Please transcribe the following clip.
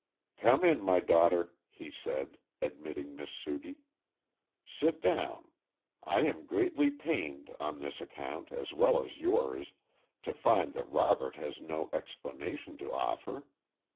"Come in my daughter," he said, admitting Miss Sudie. "Sit down. I am greatly pained, on his account as well as yours, to find that Robert has no explanation to offer.